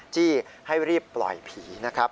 จี้ให้รีบปล่อยผีนะครับ